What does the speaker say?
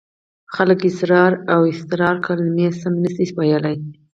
خلک اسرار او اصرار کلمې سمې نشي ویلای.